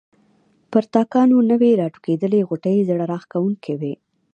پر تاکانو نوي راټوکېدلي غوټۍ زړه راکښونکې وې.